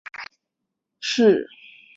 拉佩格人口变化图示